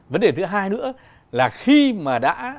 vấn đề thứ hai nữa là khi mà đã